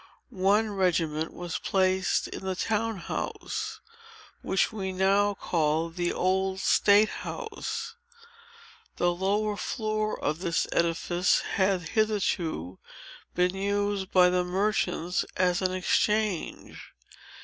One regiment was placed in the town house, which we now call the Old State House. The lower floor of this edifice had hitherto been used by the merchants as an exchange.